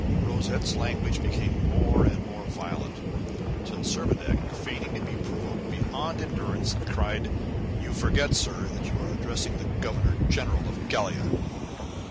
Rosette's language became more and more violent, till Servadac, feigning to be provoked beyond endurance, cried: "You forget, sir, that you are addressing the Governor General of Gallia."